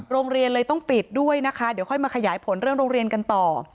โรงเรียนเลยต้องปิดด้วยนะคะเดี๋ยวค่อยมาขยายผลเรื่องโรงเรียนกันต่อ